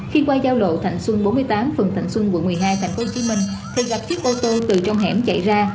khi qua giao lộ tp bốn mươi tám phần tp một mươi hai tp hcm thì gặp chiếc ô tô từ trong hẻm chạy ra